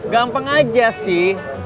gampang aja sih